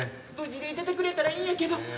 無事でいててくれたらいいんやけど。